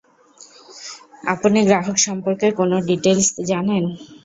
আপনি গ্রাহক সম্পর্কে কোন ডিটেইলস জানেন?